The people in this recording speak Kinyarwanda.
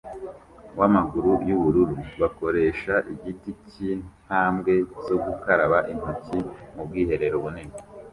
wamaguru yubururu bakoresha igiti cyintambwe zo gukaraba intoki mubwiherero bunini